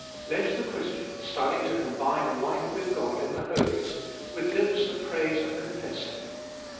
Let the Christian study to combine a life with God in the Holiest with lips that praise and confess Him.